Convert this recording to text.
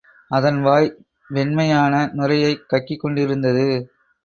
அதன் வாய் வெண்மையான நுரையைக் கக்கிக் கொண்டிருந்தது.